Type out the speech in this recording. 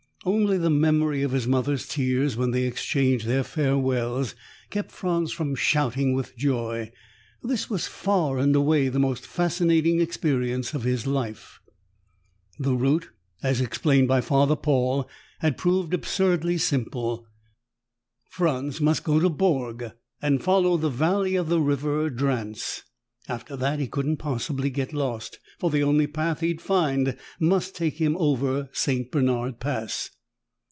Only the memory of his mother's tears when they exchanged their farewells kept Franz from shouting with joy. This was far and away the most fascinating experience of his life. The route, as explained by Father Paul, had proven absurdly simple. Franz must go to Bourg and follow the Valley of the River Drance. After that, he couldn't possibly get lost, for the only path he'd find must take him over St. Bernard Pass.